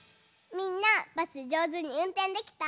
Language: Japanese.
みんなバスじょうずにうんてんできた？